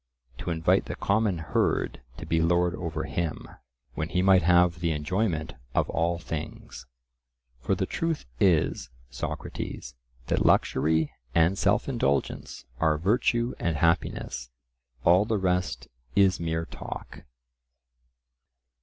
To invite the common herd to be lord over him, when he might have the enjoyment of all things! For the truth is, Socrates, that luxury and self indulgence are virtue and happiness; all the rest is mere talk."